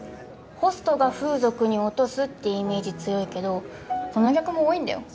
ホストが風俗に落とすってイメージ強いけどその逆も多いんだよ。